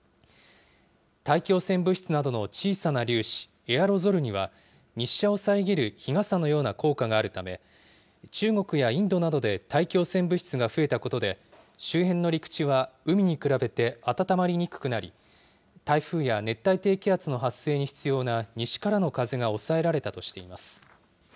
大気汚染物質などの小さな粒子、エアロゾルには、日射を遮る日傘のような効果があるため、中国やインドなどで大気汚染物質が増えたことで、周辺の陸地は海に比べて暖まりにくくなり、台風や熱帯低気圧の発生に必要な西からの風が抑えられたとしています。